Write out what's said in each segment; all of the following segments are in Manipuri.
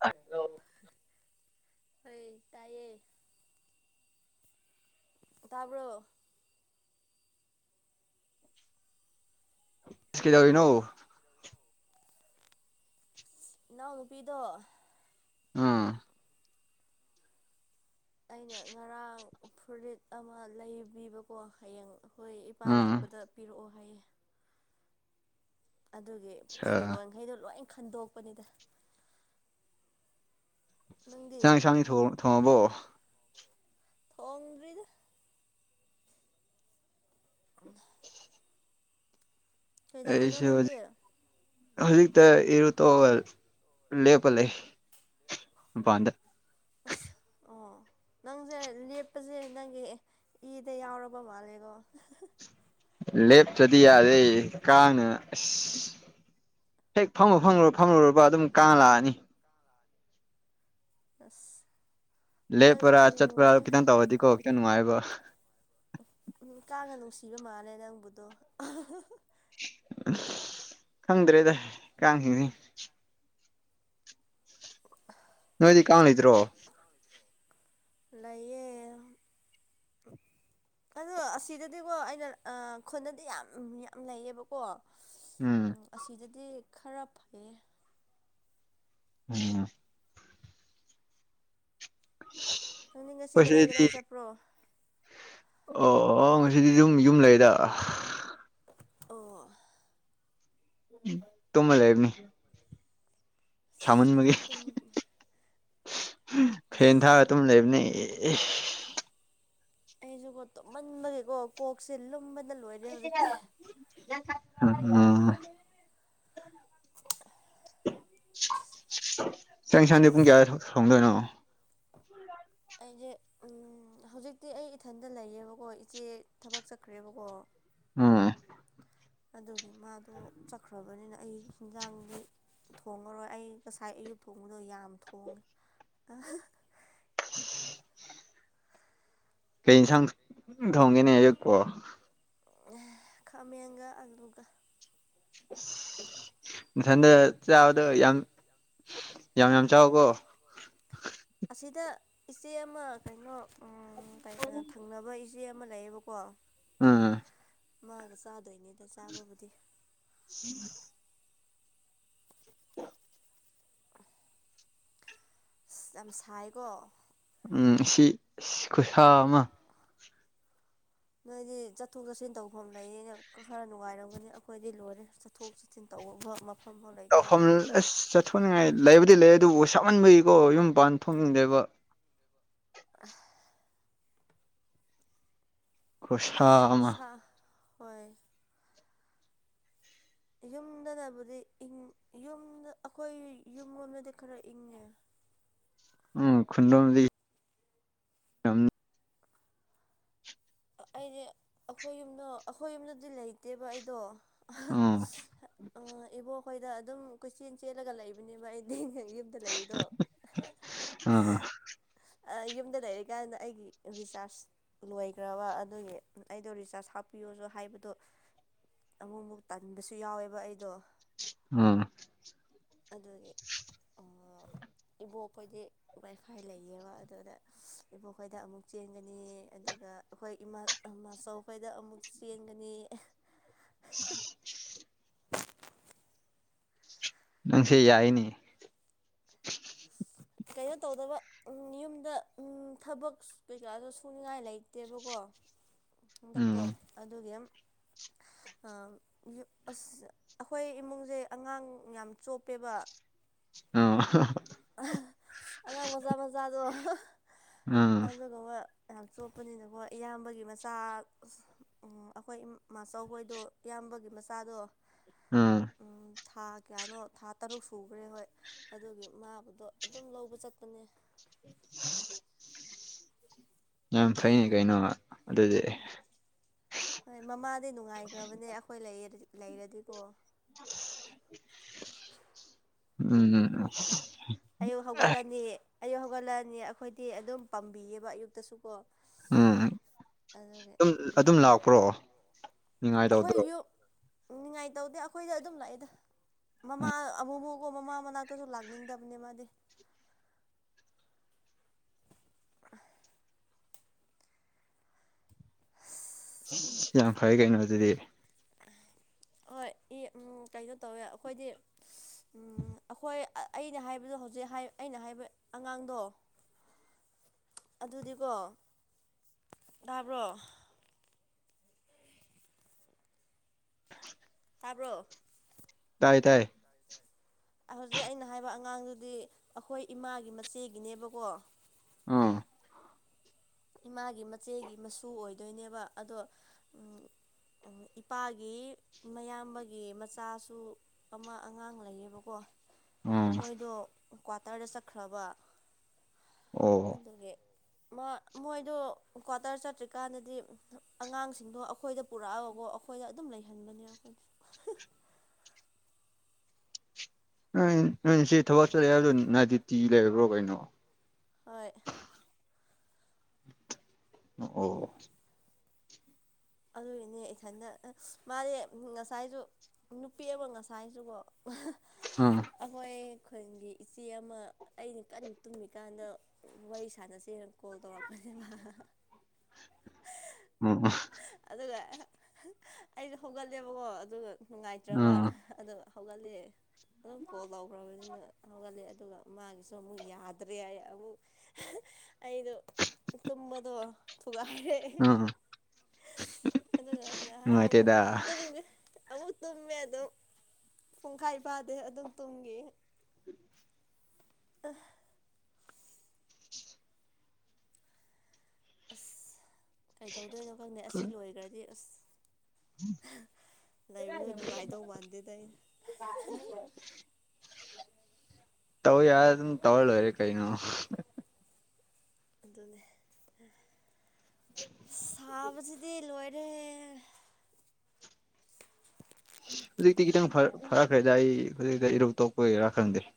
ꯑꯗꯣ ꯍꯣꯏ ꯇꯥꯏꯌꯦ ꯇꯥꯕ꯭ꯔꯣ ꯀꯩꯗꯏꯅꯣ ꯏꯅꯥꯎ ꯅꯨꯨꯄꯤꯗꯣ ꯑꯥ ꯑꯩꯅ ꯉꯔꯥꯡ ꯐꯨꯔꯤꯠ ꯑꯃ ꯂꯩꯕꯤꯕꯀꯣ ꯍꯌꯦꯡ ꯈꯣꯏ ꯏꯄꯥ ꯎꯝ ꯂꯥꯛꯄꯗ ꯄꯤꯔꯛꯑꯣ ꯍꯥꯏꯌꯦ ꯑꯗꯨꯒꯤ ꯆꯥꯛ ꯐꯤꯔꯣꯟꯈꯩꯗꯣ ꯂꯣꯏ ꯈꯟꯗꯣꯛꯄꯅꯤꯗ ꯅꯪꯗꯤ ꯆꯤꯛ ꯌꯦꯡꯁꯥꯡ ꯊꯣꯡ ꯊꯣꯡꯉꯕꯣ ꯊꯣꯡꯗꯔꯤꯗ [inaudible] [inaudible] ꯀꯩꯗꯧꯔꯤꯅꯣ ꯑꯩꯁꯦ ꯅꯪꯗꯤ ꯍꯧꯖꯤꯛ ꯍꯧꯖꯤꯛꯇ ꯏꯔꯨ ꯇꯣꯛꯑꯒ ꯂꯦꯞꯄ ꯂꯩ ꯃꯄꯥꯟꯗ ꯑꯁ ꯑꯣ ꯅꯪꯁꯦ ꯂꯦꯞꯄꯁꯦ ꯅꯪꯒꯤ ꯏꯗ ꯌꯥꯎꯔꯕ ꯃꯥꯜꯂꯦꯀꯣ ꯂꯦꯞꯇ꯭ꯔꯗꯤ ꯌꯥꯗꯦ ꯀꯥꯡꯅ ꯑꯁ ꯍꯦꯛ ꯐꯪꯃꯨ ꯐꯪꯃꯨ ꯐꯝꯃꯨꯔꯕ ꯑꯗꯨꯝ ꯀꯥꯡ ꯂꯥꯛꯑꯅꯤ ꯑꯁ ꯅꯪ ꯂꯦꯞꯄꯔ ꯎꯝ ꯆꯠꯄꯔ ꯅꯪ ꯈꯤꯇꯪ ꯇꯧꯔꯗꯤꯀꯣ ꯈꯤꯇꯪ ꯅꯨꯡꯉꯥꯏꯌꯦꯕ ꯀꯥꯡꯅ ꯅꯨꯡꯁꯤꯕ ꯃꯥꯜꯂꯦ ꯅꯪꯕꯨꯗꯣ ꯈꯪꯗ꯭ꯔꯦꯗ ꯀꯥꯡꯁꯤꯡꯁꯦ ꯅꯣꯏꯗꯤ ꯀꯥꯡ ꯂꯩꯗ꯭ꯔꯣ ꯂꯩꯌꯦ ꯑꯗꯣ ꯑꯁꯤꯗꯗꯤꯀꯣ ꯑꯩꯅ ꯈꯨꯟꯗꯗꯤ ꯌꯥꯝ ꯌꯥꯝ ꯂꯩꯌꯦꯕꯀꯣ ꯎꯝ ꯑꯁꯤꯗꯗꯤ ꯈꯔ ꯐꯩꯌꯦ ꯎꯝ [inaudible] ꯅꯪꯗꯤ ꯉꯁꯤ ꯑꯩꯈꯣꯏ ꯀꯗꯥꯏ ꯁꯤꯗꯗꯤ ꯀꯗꯥꯏ ꯆꯠꯄ꯭ꯔꯣ ꯑꯣ ꯑꯣ ꯉꯁꯤꯗꯤ ꯌꯨꯝ ꯌꯨꯝ ꯂꯩꯗ ꯑꯣ ꯇꯨꯝꯃ ꯂꯩꯕꯅꯤ ꯑꯁ ꯑꯩꯁꯨ ꯁꯥꯃꯟꯕꯒꯤ ꯇꯨꯝ ꯐꯦꯟ ꯑꯁ ꯊꯥꯔ ꯇꯨꯝ ꯂꯩꯕꯅꯦ ꯑꯦ ꯑꯩꯁꯨꯀꯣ ꯇꯨꯝꯃꯟꯕꯒꯤꯀꯣ ꯀꯣꯛꯁꯦ ꯂꯨꯝꯕꯗ ꯂꯣꯏ ꯑꯝ ꯆꯪ ꯌꯦꯟꯁꯥꯡꯗꯤ ꯄꯨꯡ ꯀꯌꯥ ꯊꯣꯡꯗꯣꯏꯅꯣ ꯑꯩꯁꯦ ꯍꯧꯖꯤꯛꯇꯤ ꯑꯩ ꯏꯊꯟꯗ ꯂꯩꯌꯦꯕꯀꯣ ꯏꯆꯦ ꯊꯕꯛ ꯆꯠꯈ꯭ꯔꯦꯕꯀꯣ ꯎꯝ ꯑꯗꯨꯒꯤ ꯃꯥꯗꯣ ꯆꯠꯈ꯭ꯔꯕꯅꯤꯅ ꯑꯩ ꯌꯦꯟꯖꯥꯡꯗꯤ ꯊꯣꯡꯉꯔꯣꯏ ꯑꯩ ꯉꯁꯥꯏ ꯑꯌꯨꯛ ꯊꯣꯡꯕꯗꯣ ꯌꯥꯝ ꯊꯣꯡꯉꯦ ꯑꯍꯥ [inaudible] ꯀꯩ ꯌꯦꯟꯁꯥꯡ ꯊꯣꯡꯒꯦꯅꯦ ꯑꯌꯨꯛꯄꯣ ꯈꯥꯃꯦꯟꯒ ꯑꯂꯨꯒ ꯅꯊꯟꯗ ꯆꯥꯕꯗꯣ ꯌꯥꯝ ꯌꯥꯝ ꯌꯥꯝ ꯆꯥꯎꯀꯣ ꯑꯁꯤꯗ ꯏꯆꯦ ꯑꯃ ꯀꯩꯅꯣ ꯎꯝ ꯇꯩꯇ ꯊꯪꯅꯕ ꯏꯆꯦ ꯑꯃ ꯂꯩꯌꯦꯕꯀꯣ ꯎꯝ ꯃꯥꯒ ꯆꯥꯗꯣꯏꯅꯦꯗ ꯆꯥꯕꯕꯨꯗꯤ [inaudible] ꯌꯥꯝ ꯁꯥꯏꯀꯣ ꯎꯝ ꯁꯤ ꯈꯨꯁꯥ ꯑꯃ ꯅꯣꯏꯗꯤ ꯆꯠꯊꯣꯛ ꯆꯠꯁꯤꯟ ꯇꯧꯐꯝ ꯂꯩꯌꯦꯅ ꯈꯔ ꯅꯨꯡꯉꯥꯏꯔꯝꯒꯅꯤ ꯑꯩꯈꯣꯏꯗꯤ ꯂꯣꯏꯔꯦ ꯆꯠꯊꯣꯛ ꯆꯤꯟ ꯇꯧꯕ ꯃꯐꯝ ꯇꯧꯐꯝ ꯑꯁ ꯆꯠꯊꯣꯛꯅꯤꯡꯉꯥꯏ ꯂꯩꯕꯨꯗꯤ ꯂꯩ ꯑꯗꯨꯕꯨ ꯁꯥꯃꯟꯕꯒꯤꯀꯣ ꯌꯨꯝ ꯄꯥꯟ ꯊ‌ꯣꯛꯅꯤꯡꯗ‌ꯦꯕ ꯑꯁ ꯈꯨꯁꯥ ꯑꯃ ꯁꯥ ꯍꯣꯏ ꯌꯨꯝꯗꯅꯕꯨꯗꯤ ꯏꯪ ꯌꯨꯝꯗ ꯑꯩꯈꯣꯏ ꯌꯨꯝꯔꯣꯝꯗꯗꯤ ꯈꯔ ꯏꯪꯉꯦ ꯎꯝ ꯈꯨꯨꯟꯂ‌ꯣꯝꯗꯤ ꯑꯩꯗꯤ ꯑꯩꯈꯣꯏ ꯌꯨꯝꯗ ꯑꯩꯈꯣꯏ ꯌꯨꯝꯗꯗꯤ ꯂꯩꯇꯦꯕ ꯑꯩꯗꯣ ꯏꯕꯣꯛꯈꯣꯏꯗ ꯑꯗꯨꯝ ꯀꯣꯏꯆꯦꯟ ꯆꯦꯜꯂꯒ ꯂꯩꯕꯅꯦꯕ ꯑꯩꯗꯤ ꯌꯨꯝ ꯑꯗ ꯂꯩꯕꯗꯣ ꯑ ꯑ ꯌꯨꯝꯗ ꯂꯩꯔꯤꯀꯥꯟꯗ ꯑꯩꯒꯤ ꯔꯤꯆꯥꯔꯖ ꯂꯣꯏꯈ꯭ꯔꯕ ꯑꯗꯨꯒꯤ ꯑꯩꯗꯣ ꯔꯤꯆꯥꯔꯖ ꯍꯥꯞꯄꯤꯌꯣꯁꯨ ꯍꯥꯏꯕꯗꯣ ꯑꯃꯨꯛꯃꯨꯛ ꯇꯟꯕꯁꯨ ꯌꯥꯎꯋꯦꯕ ꯑꯩꯗꯣ ꯎꯝ ꯑꯗꯨꯒꯤ ꯏꯕꯣꯛꯄꯣꯏꯗꯤ ꯋꯥꯏꯐꯥꯏ ꯂꯩ ꯌꯦꯡꯉꯣ ꯑꯗꯨꯗ ꯏꯕꯣꯛꯈꯣꯏꯗ ꯑꯃꯨꯛ ꯆꯦꯟꯒꯅꯤ ꯑꯗꯨꯒ ꯑꯩꯈꯣꯏ ꯏꯃꯥ ꯑꯆꯧꯈꯩꯗ ꯑꯃꯨꯛ ꯆꯦꯟꯒꯅꯤ [unintelligible] ꯅꯪꯁꯦ ꯌꯥꯏꯅꯤ ꯀꯩꯅꯣ ꯇꯧꯗꯕ ꯎꯝ ꯌꯨꯝꯗ ꯎꯝ ꯊꯕꯛ ꯀꯩꯀꯥꯗꯣ ꯁꯨꯅꯤꯡꯉꯥꯏ ꯂꯩꯇꯦꯕꯀꯣ ꯍꯟꯗꯛꯇꯣ ꯎꯝ ꯑꯗꯨꯒꯤ ꯑꯁ ꯑꯩꯈꯣꯏ ꯏꯃꯨꯡꯁꯦ ꯑꯉꯥꯡ ꯌꯥꯝ ꯆꯣꯞꯄꯦꯕ ꯑ ꯑꯉꯥꯡ ꯃꯆꯥ ꯃꯆꯥꯗꯣ ꯎꯝ ꯑꯗꯨꯒꯨꯝꯕ ꯌꯥꯝ ꯆꯣꯞꯄꯅꯤꯅꯀꯣ ꯏꯌꯥꯝꯕꯒꯤ ꯃꯆꯥ ꯑꯁ ꯑꯩꯈꯣꯏꯃꯆꯧꯕꯣꯏꯗꯣ ꯏꯌꯥꯝꯕꯒꯤ ꯃꯆꯥꯗꯣ ꯑꯥ ꯎꯝ, ꯊꯥ ꯀꯌꯥꯅꯣ ꯊꯥ ꯇꯔꯨꯛ ꯁꯨꯈ꯭ꯔꯦ ꯍꯣꯏ ꯑꯗꯨꯒꯤ ꯃꯥꯕꯗꯣ ꯑꯗꯨꯝ ꯂꯧꯕ ꯆꯠꯄꯅꯦ [unintelligible] ꯌꯥꯝ ꯐꯩꯅꯤ ꯀꯩꯅꯣ ꯑꯗꯨꯗꯤ ꯍꯣꯏ ꯃꯃꯥꯗꯤ ꯅꯨꯡꯉꯥꯏꯈ꯭ꯔꯕꯅꯦ ꯑꯩꯈꯣꯏ ꯂꯩꯔꯗꯤꯀꯣ ꯎꯝ ꯎꯝ ꯑꯁ ꯑꯌꯨꯛ ꯍꯧꯒꯠꯂꯅꯤ ꯑꯌꯨꯛ ꯍꯧꯒꯠꯂꯑꯅꯤ ꯑꯩꯈꯣꯏꯗꯤ ꯑꯗꯨꯝ ꯄꯥꯝꯕꯤꯌꯦꯕ ꯑꯌꯨꯛꯇꯁꯨ ꯀꯣ ꯎꯝ ꯑꯗꯨꯒꯤ ꯑꯗꯨꯝ ꯑꯗꯨꯝ ꯂꯥꯛꯄ꯭ꯔꯣ ꯅꯤꯡꯉꯥꯏ ꯇꯧꯗ꯭ꯔꯣ ꯑꯩꯈꯣꯏ ꯌ ꯅꯨꯡꯉꯥꯏꯇꯧꯗꯦ ꯑꯩꯈꯣꯏꯗ ꯑꯗꯨꯝ ꯂꯥꯛꯑꯦꯗ ꯃꯃꯥ ꯑꯃꯨꯐꯀꯣ ꯃꯃꯥ ꯃꯅꯥꯛꯇꯁꯨ ꯂꯥꯛꯅꯤꯡꯗꯕꯅꯦ ꯃꯥꯗꯤ ꯑ ꯑꯁ ꯌꯥꯝ ꯐꯩ ꯀꯩꯅꯣ ꯑꯗꯨꯗꯤ [inaudible] ꯍꯣꯏ ꯎꯝ ꯀꯩꯅꯣ ꯇꯧꯋꯦ ꯑꯩꯈꯣꯏꯗꯤ ꯑꯩꯈꯣꯏ ꯑꯩꯅ ꯍꯥꯏꯕꯗꯣ ꯍꯧꯖꯤꯛ ꯑꯩꯅ ꯍꯥꯏꯕ ꯑꯉꯥꯡꯗꯣ [inaudible] ꯑꯗꯨꯗꯤꯀꯣ ꯇꯥꯕ꯭ꯔꯣ ꯇꯥꯕ꯭ꯔꯣ ꯇꯥꯏ ꯇꯥꯏ ꯑꯍꯧꯖꯤꯛ ꯑꯩꯅ ꯍꯥꯏꯕ ꯑꯉꯥꯡꯗꯨꯗꯤ ꯑꯩꯈꯣꯏ ꯏꯃꯥꯒꯤ ꯃꯆꯦꯒꯤꯅꯦꯕꯀꯣ ꯑꯥ ꯏꯃꯥꯒꯤ ꯃꯆꯦꯒꯤ ꯃꯁꯨ ꯑꯣꯏꯗꯣꯏꯅꯦꯕ ꯑꯗꯣ ꯎꯝ ꯏꯄꯥꯒꯤ ꯃꯌꯥꯝꯕꯒꯤ ꯃꯆꯥꯁꯨ ꯑꯃ ꯑꯉꯥꯡ ꯂꯩꯌꯦꯕꯀꯣ ꯑꯥ ꯃꯣꯏꯗꯣ ꯀ꯭ꯋꯥꯇꯔꯗ ꯆꯠꯈ꯭ꯔꯕ ꯑꯣ ꯑꯗꯨꯒꯤ ꯃꯣꯏꯗꯨ ꯀ꯭ꯋꯥꯇꯔ ꯆꯠꯇ꯭ꯔꯤꯀꯥꯟꯗꯗꯤ ꯑꯉꯥꯡꯁꯤꯡꯗꯣ ꯑꯩꯈꯣꯏꯗ ꯄꯨꯔꯛꯑꯕꯀꯣ ꯑꯩꯈꯣꯏꯗ ꯑꯗꯨꯝ ꯂꯩꯍꯟꯕꯅꯦ ꯑꯩꯈꯣꯏꯅ ꯅꯣꯏ ꯅꯣꯏ ꯏꯆꯦ ꯊꯕꯛ ꯆꯠꯂꯦ ꯍꯥꯏꯕꯗꯣ ꯅꯅꯥꯏꯗꯤꯇꯤ ꯂꯩꯕ꯭ꯔꯣ ꯀꯩꯅꯣ ꯍꯣꯏ ꯑꯣ ꯑꯗꯨꯒꯤꯅꯦ ꯏꯊꯟꯗ ꯃꯥꯗꯤ ꯉꯁꯥꯏꯁꯨ ꯅꯨꯄꯤ ꯑꯃ ꯉꯁꯥꯏꯁꯨꯀꯣ ꯎꯝ ꯑꯩꯈꯣꯏ ꯈꯨꯟꯒꯤ ꯏꯆꯦ ꯑꯃ ꯑꯩꯅ ꯀꯟꯅ ꯇꯨꯝꯃꯤꯀꯥꯟꯗ ꯋꯥꯔꯤ ꯁꯥꯟꯅꯁꯦꯅ ꯀꯣꯜ ꯇꯧꯔꯛꯄꯅꯦꯕ ꯑꯣ ꯑꯗꯨꯒ ꯑꯩꯅ ꯍꯧꯒꯠꯂꯦꯕꯀꯣ ꯑꯗꯨꯒ ꯅꯨꯡꯉꯥꯏꯇ꯭ꯔꯕ ꯑꯥ ꯑꯗ ꯍꯧꯒꯠꯂꯦ ꯑꯗꯨꯝ ꯀꯣꯜ ꯂꯧꯈ꯭ꯔꯕꯅꯤꯅ ꯍꯧꯒꯠꯂꯦ ꯑꯗꯨꯒ ꯃꯥꯒꯤꯁꯨ ꯑꯃꯨꯛ ꯌꯥꯗ꯭ꯔꯦ ꯍꯥꯏ ꯑꯃꯨꯛ ꯑꯩꯗꯣ ꯇꯨꯝꯕꯗꯣ ꯊꯨꯒꯥꯏ ꯑꯥ ꯑꯗꯨꯒ ꯉꯥꯏꯍꯥꯛ ꯑꯃꯨꯛ ꯅꯨꯡꯉꯥꯏꯇꯦꯗ ꯇꯨꯝꯒꯦ ꯑꯃꯨꯛ ꯇꯨꯝꯃꯦ ꯑꯗꯨꯝ ꯄꯨꯡꯈꯥꯏ ꯐꯥꯗꯦ ꯑꯗꯨꯝ ꯇꯨꯝꯈꯤ ꯑ ꯑꯁ ꯀꯩ ꯇꯧꯗꯣꯏꯅꯣ ꯈꯪꯗꯦ ꯑꯁꯤ ꯂꯣꯏꯈ꯭ꯔꯗꯤ ꯑꯁ ꯂꯩꯕꯗꯣ ꯅꯨꯡꯉꯥꯏꯗꯧ ꯃꯥꯟꯗꯦꯗ ꯑꯩ [unintelligible] ꯇꯧ ꯌꯥꯔ ꯑꯗꯨꯅ ꯇꯧꯂꯣꯔꯦ ꯀꯩꯅꯣ ꯑꯗꯨꯅꯦ ꯁꯥꯕꯁꯤꯗꯤ ꯂꯣꯏꯔꯦ ꯍꯧꯖꯤꯛꯇꯤ ꯈꯤꯇꯪ ꯐꯔꯛꯈ꯭ꯔꯦꯗ ꯑꯩ ꯍꯧꯖꯤꯛꯇ ꯏꯔꯧ ꯇꯣꯛꯄ ꯑꯣꯏꯒꯦꯔꯥ ꯈꯪꯗꯦ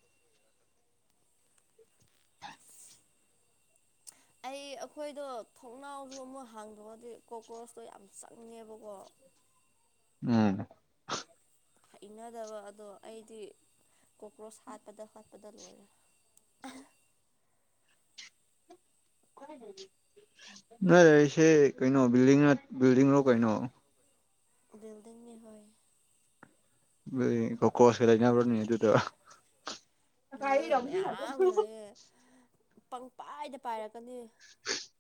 ꯑꯩ ꯑꯩꯈꯣꯏꯗꯣ ꯊꯣꯡꯅꯥꯎꯗꯣ ꯑꯃꯨꯛ ꯍꯥꯡꯗꯣꯛꯑꯗꯤ ꯀꯣꯀ꯭ꯔꯣꯁꯇꯣ ꯌꯥꯝ ꯆꯪꯉꯦꯕꯀꯣ ꯎꯝ ꯍꯩꯅꯗꯕ ꯑꯗꯣ ꯑꯩꯗꯤ ꯀꯣꯀ꯭ꯔꯣꯁ ꯍꯥꯠꯄꯗ ꯍꯣꯠꯄꯗ ꯂꯣꯏꯔꯦ ꯅꯣꯏ ꯂꯩꯁꯦ ꯀꯩꯅꯣ ꯕꯜꯤꯗꯤꯡ ꯕꯤꯜꯗꯤꯡ ꯅ ꯀꯩꯅꯣ ꯕꯤꯜꯗꯤꯡꯅꯤ ꯍꯣꯏ ꯀꯣꯀꯣꯁ ꯂꯩꯅꯕ꯭ꯔꯅꯦ ꯑꯗꯨꯗ ꯉꯥꯏꯑꯑꯦ ꯃꯌꯥꯝ ꯉꯥꯏꯌꯦ ꯄꯪꯄꯥꯏꯗ ꯄꯥꯏꯔꯛꯀꯅꯤ [unintelligible]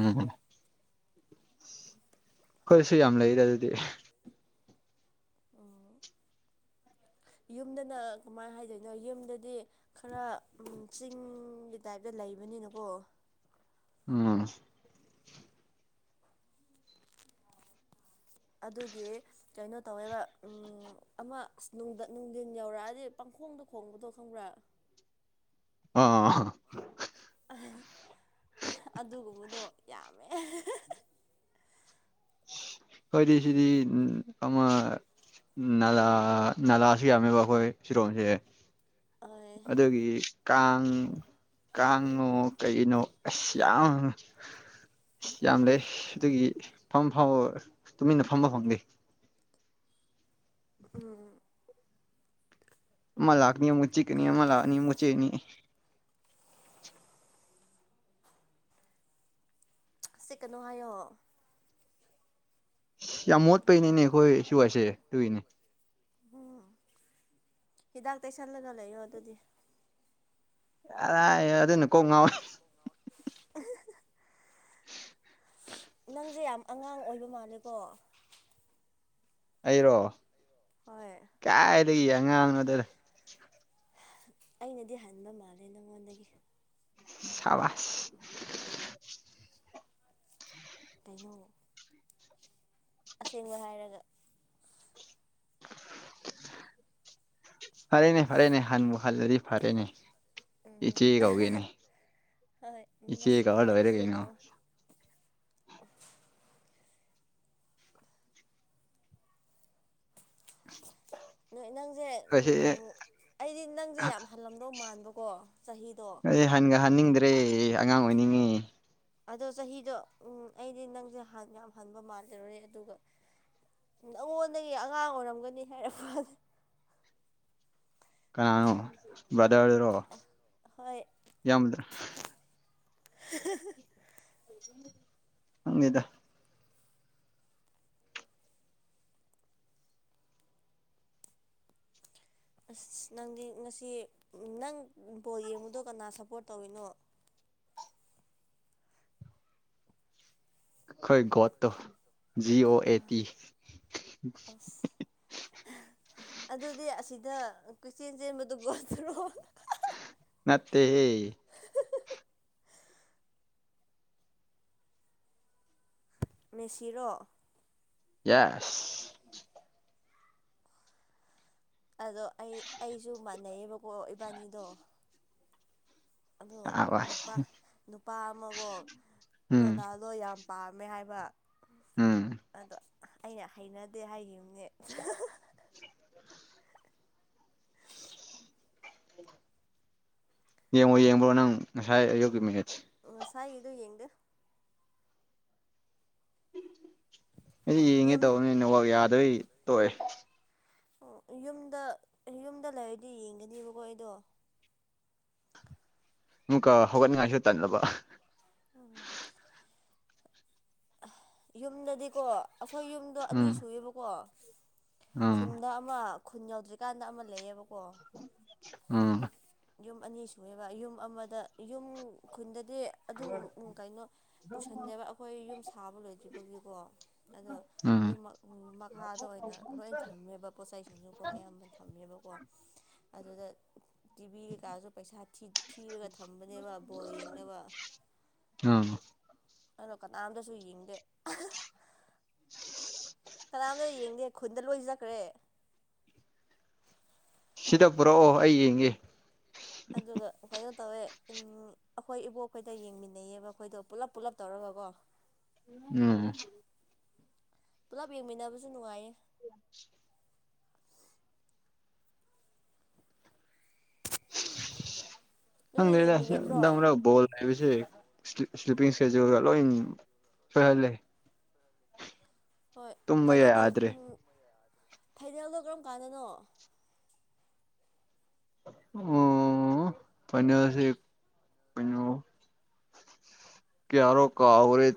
ꯎꯝ ꯍꯣꯏꯁꯨ ꯌꯥꯝ ꯂꯩꯗ ꯑꯗꯨꯗꯤ ꯎꯝ ꯌꯨꯝꯗꯅ ꯀꯃꯥꯏꯅ ꯍꯥꯏꯗꯣꯏꯅꯣ ꯌꯨꯝꯗꯗꯤ ꯈꯔ ꯆꯤꯡꯒꯤ ꯇꯥꯏꯞꯇ ꯂꯩꯕꯅꯤꯅꯀꯣ ꯎꯝ ꯑꯗꯨꯒꯤ ꯀꯩꯅꯣ ꯇꯧꯋꯦꯕ ꯑꯃ ꯑꯁ ꯅꯨꯡꯊꯤꯟ ꯌꯧꯔꯛꯑꯗꯤ ꯄꯥꯡꯈꯣꯡꯗꯣ ꯈꯣꯡꯕꯗꯣ ꯈꯪꯕ꯭ꯔꯥ ꯑꯥ ꯑꯗꯨꯒꯨꯝꯕꯗꯣ ꯌꯥꯝꯃꯦ ꯍꯣꯏꯗꯤ ꯁꯤꯗꯤ ꯎꯝ ꯑꯃ ꯅꯥꯂꯥ ꯅꯥꯂꯥꯁꯨ ꯌꯥꯝꯃꯦꯕ ꯑꯩꯈꯣꯏ ꯁꯤꯔꯣꯁꯦ ꯎꯝ ꯑꯗꯨꯒꯤ ꯀꯥꯡ ꯀꯥꯡꯉꯣ ꯀꯩꯅꯣ ꯑꯁ ꯌꯥꯝ ꯌꯥꯝ ꯂꯩ ꯑꯗꯨꯒꯤ ꯐꯝ ꯐ ꯇꯨꯃꯤꯟꯅ ꯐꯝꯕ ꯐꯪꯗꯦ ꯎꯝ ꯃ ꯂꯥꯛꯅꯤ ꯑꯃꯨꯛ ꯆꯤꯛꯅꯤ ꯑꯃ ꯂꯥꯛꯅꯤ ꯃꯨ ꯎꯆꯦꯛꯅꯤ ꯁꯤ ꯀꯩꯅꯣ ꯍꯥꯏꯌꯣ ꯌꯥꯝ ꯃꯣꯠꯄꯩꯅꯦꯅꯦ ꯑꯩꯈꯣꯏ ꯁꯤ ꯋꯥꯏꯁꯦ ꯇꯨꯏꯅꯦ ꯎꯝ ꯍꯤꯗꯥꯛ ꯇꯩꯁꯜꯂꯒ ꯂꯩꯌꯣ ꯑꯗꯨꯗꯤ ꯀꯗꯥꯏꯗꯩꯅꯣ ꯑꯗꯨꯅ ꯀꯣꯛ ꯉꯥꯎꯋꯦ [unintelligible] ꯅꯪꯁꯦ ꯌꯥꯝ ꯑꯉꯥꯡ ꯑꯣꯏꯕ ꯃꯥꯜꯂꯦꯀꯣ ꯑꯩꯔꯣ ꯍꯣꯏ ꯀꯥꯏꯗꯒꯤ ꯑꯉꯥꯡꯅꯣꯗꯗ ꯑꯩꯅꯗꯤ ꯍꯟꯕ ꯃꯥꯜꯂꯦ ꯅꯉꯣꯟꯗꯒꯤ ꯑꯕ [unintelligible] ꯀꯩꯅꯣ ꯑꯁꯦꯡꯕ ꯍꯥꯏꯔꯒ ꯐꯔꯦꯅꯦ ꯐꯔꯦꯅꯦ ꯍꯟꯕꯨ ꯍꯜꯂꯗꯤ ꯐꯔꯦꯅꯦ ꯎꯝ ꯏꯆꯦ ꯀꯧꯒꯦꯅꯦ ꯍꯣꯏ ꯏꯆꯦ ꯍꯣꯏ ꯀꯗꯔꯦ ꯏꯆꯦ ꯀꯩꯩꯅ ꯀꯧ ꯅꯣꯏ ꯅꯪꯁꯦ ꯑꯩꯈꯣꯏꯁꯦ ꯑꯩꯗꯤ ꯅꯪꯁꯦ ꯌꯥꯝ ꯍꯜꯂꯝꯗꯧ ꯃꯥꯟꯕꯀꯣ ꯆꯍꯤꯗꯣ ꯑꯦ ꯍꯟꯒ ꯍꯥꯏꯟꯅꯤꯡꯗ꯭ꯔꯦ ꯑꯉꯥꯡ ꯑꯣꯏꯅꯤꯡꯉꯤ ꯑꯗꯣ ꯆꯍꯤꯗꯣ ꯎꯝ ꯑꯩꯗꯤ ꯅꯪꯁꯦ ꯌꯥꯝ ꯍꯟꯕ ꯃꯥꯜꯂꯔꯨꯔꯦ ꯑꯗꯨꯒ ꯑꯩꯉꯣꯟꯗꯒꯤ ꯑꯉꯥꯡ ꯑꯣꯏꯔꯝꯒꯅꯤ ꯍꯥꯏꯔꯄꯗ ꯀꯅꯥꯅꯣ ꯕꯗꯔꯔꯣ ꯍꯣꯏ ꯈꯪꯗꯦꯗ ꯑꯁ ꯅꯪꯗꯤ ꯉꯁꯤ ꯅꯪ ꯕꯣꯜ ꯌꯦꯡꯕꯗꯣ ꯀꯅꯥ ꯁꯞꯄꯣꯔꯠ ꯇꯧꯔꯤꯅꯣ ꯈꯣꯏꯒꯣꯠꯇ ꯖꯤꯑꯣ ꯑꯦ ꯇ ꯑꯁ ꯑꯗꯨꯗꯤ ꯑꯁꯤꯗ ꯀꯆꯦꯟ ꯆꯦꯟꯕꯗꯨꯒꯠꯇꯔꯣ ꯅꯠꯇꯦ ꯃꯦꯁꯤꯔꯣ ꯌꯦꯁ ꯑꯗꯣ ꯑꯩ ꯑꯩꯁꯨ ꯃꯥꯟꯅꯩꯑꯕꯀꯣ ꯏꯕꯥꯅꯤꯗꯣ ꯑꯗꯣ ꯅꯨꯄꯥ ꯁꯥꯕꯥꯁ ꯅꯨꯄꯥ ꯑꯃꯒꯣ ꯎꯝ ꯔꯣꯅꯥꯜ ꯂꯣꯏ ꯌꯥꯝ ꯄꯥꯝꯃꯦ ꯍꯥꯏꯕ ꯎꯝ ꯑꯗꯣ ꯑꯩꯅ ꯍꯩꯅꯗꯦ ꯍꯥꯏ ꯑ [unintelligible] ꯌꯦꯡꯉꯣ ꯌꯦꯡꯕ꯭ꯔꯣ ꯅꯪ ꯉꯁꯥꯏ ꯑꯌꯨꯛꯀꯤ ꯃꯦꯠꯁꯦ ꯃꯁꯥꯏ ꯏꯗꯨ ꯌꯦꯡꯗ ꯑꯩꯗꯤ ꯌꯦꯡꯉꯦ ꯌꯨꯝ ꯇꯧꯕꯅꯤꯅ ꯋꯥꯛ ꯌꯥꯗꯣꯏ ꯇꯣꯛꯑꯦ ꯑꯣ ꯌꯨꯝꯗ ꯌꯨꯝꯗ ꯂꯩꯔꯗꯤ ꯌꯦꯡꯒꯅꯦꯕꯀꯣ ꯑꯩꯗꯣ ꯑꯃꯨꯛꯀ ꯍꯧꯒꯠꯅꯤꯡꯉꯥꯏꯁꯨ ꯇꯟꯅꯅꯕ ꯑꯣ ꯌꯨꯝꯗꯗꯤꯀꯣ ꯑꯩꯈꯣꯏ ꯌꯨꯝꯗꯣ ꯑꯅꯤ ꯎꯝ ꯁꯨꯌꯦꯕꯀꯣ ꯎꯝ ꯈꯨꯟꯗ ꯑꯃ ꯈꯨꯟ ꯌꯧꯗ꯭ꯔꯤꯀꯥꯟꯗ ꯑꯃ ꯂꯩꯌꯦꯕꯀꯣ ꯎꯝ ꯌꯨꯝ ꯑꯅꯤ ꯁꯨꯑꯦꯕ ꯌꯨꯝ ꯑꯃꯗ ꯌꯨꯝ ꯈꯨꯟꯗꯗꯤ ꯑꯗꯨ ꯀꯩꯅꯣ ꯄꯨꯁꯟꯗꯦꯕ ꯑꯩꯈꯣꯏ ꯌꯨꯝ ꯁꯥꯕ ꯂꯣꯏꯗ꯭ꯔꯤꯕꯒꯤꯀꯣ ꯑꯗꯣ ꯎꯝ ꯌꯨꯝ ꯃꯈꯥꯗ ꯑꯣꯏꯅ ꯂꯣꯏ ꯊꯝꯃꯦꯕ ꯄꯣꯠꯩ ꯆꯩꯁꯤꯡꯁꯨꯀꯣ ꯑꯌꯥꯝꯕꯅ ꯊꯝꯃꯦꯕꯀꯣ ꯑꯗꯨꯗ ꯇꯤꯚꯤ ꯀꯩꯀꯥꯁꯨ ꯄꯩꯁꯥ ꯊꯤꯔꯒ ꯊꯝꯕꯅꯦꯕ ꯕꯣ ꯌꯦꯡꯅꯕ ꯎꯝ ꯑꯩꯅꯣ ꯀꯅꯥꯝꯇꯁꯨ ꯌꯦꯡꯗꯦ ꯎ [unintelligible] ꯀꯅꯥꯝꯇꯣ ꯌꯦꯡꯗꯦ ꯈꯨꯟꯗ ꯂꯣꯏꯖꯈ꯭ꯔꯦ ꯁꯤꯗ ꯄꯨꯔꯛꯑꯣ ꯑꯩ ꯌꯦꯡꯒꯦ ꯑꯗꯨꯒ ꯀꯩꯅꯣ ꯇꯧꯋꯦ ꯑꯩꯈꯣꯏ ꯏꯕꯣꯛꯈꯣꯏꯗ ꯌꯦꯡꯃꯤꯟꯅꯩꯌꯦꯕ ꯑꯩꯈꯣꯏꯗꯣ ꯄꯨꯜꯂꯞ ꯄꯨꯂꯞ ꯇꯧꯔꯒ ꯀꯣ ꯎꯝ ꯄꯨꯂꯞ ꯌꯦꯡꯃꯤꯟꯅꯕꯁꯨ ꯅꯨꯡꯉꯥꯏꯌꯦ ꯅꯣꯏꯗ ꯍꯪꯁꯦ ꯌꯦꯡꯃꯤꯟꯅꯗ꯭ꯔꯣ ꯅꯔꯣꯜ ꯍꯥꯏꯕꯁꯦ ꯁ꯭ꯂꯤꯞ ꯁ꯭ꯂꯤꯞꯄꯤꯡ ꯏꯁꯀꯦꯖꯨꯜꯒ ꯎꯝ ꯂꯣꯏ ꯁꯣꯏꯍꯜꯂꯦ ꯍꯣꯏ ꯇꯨꯝꯕ ꯀꯩꯅꯣ ꯇꯧ ꯌꯥꯗ꯭ꯔꯦ ꯑꯝ ꯐꯥꯏꯅꯦꯜꯗꯣ ꯀꯔꯝ ꯀꯥꯟꯗꯅꯣ ꯑꯣ ꯐꯥꯏꯅꯦꯜꯁꯦ ꯀꯩꯅꯣ ꯀꯌꯥꯔꯣ ꯀꯥꯎꯈꯔꯦ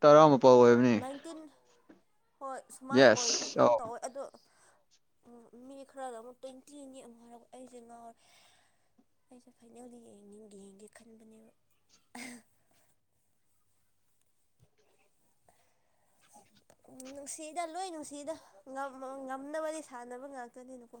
ꯇꯔꯥꯃꯥꯄꯜ ꯑꯣꯏꯕꯅꯤ ꯅꯥꯏꯇꯤꯟ ꯍꯣꯏ ꯁꯨꯃꯥꯏ ꯌꯦꯁ ꯑꯣꯏꯈꯤꯒꯨꯝ ꯑꯥꯎ ꯇꯧꯋꯦ ꯑꯗꯣ ꯃꯤ ꯈꯔꯅ ꯑꯃꯨꯛ ꯇ꯭ꯋꯦꯟꯇꯤꯅꯤ ꯑꯃꯨꯛ ꯍꯥꯏꯔꯛꯄ ꯑꯩꯁꯦ ꯉꯥꯎꯔꯦ ꯑꯩꯁꯦ ꯐꯥꯏꯅꯦꯜꯗꯤ ꯌꯦꯡꯅꯤꯡ ꯌꯦꯡꯒꯦ ꯈꯟꯕꯅꯦꯕ ꯎꯝ ꯅꯨꯡꯁꯤꯗ ꯂꯣꯏ ꯅꯨꯡꯁꯤꯗ ꯉꯝꯅꯕꯗꯤ ꯁꯥꯟꯅꯕ ꯉꯥꯛꯇꯅꯤꯅꯀꯣ